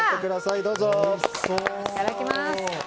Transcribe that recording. いただきます。